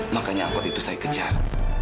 makanya angkot itu saya kejar